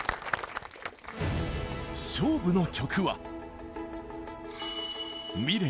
勝負の曲は。